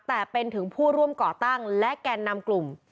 แต่เป็นถึงผู้ร่วมก่อตั้งและแกนนำกลุ่ม